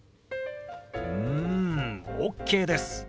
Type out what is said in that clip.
うんＯＫです。